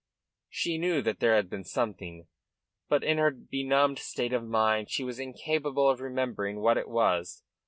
She knew that there had been something, but in her benumbed state of mind she was incapable of remembering what it was.